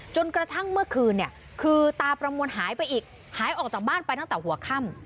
จนกระทั่งเมื่อคืนเนี่ยคือตาประมวลหายไปอีกหายออกจากบ้านไปตั้งแต่หัวค่ำ